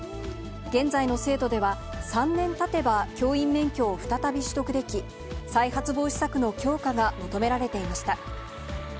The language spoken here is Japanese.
現在の制度では、３年たてば教員免許を再び取得でき、再発防止策の強化が求められていました。